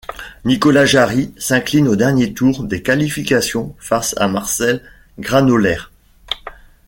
Nicolás Jarry s'incline au dernier tour des qualifications face à Marcel Granollers.